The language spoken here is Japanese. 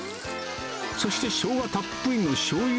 そしてショウガたっぷりのしょうゆ